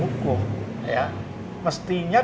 hukum ya mestinya